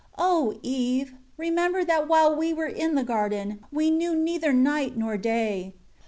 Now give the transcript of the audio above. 9 O Eve! Remember that while we were in the garden, we knew neither night nor day.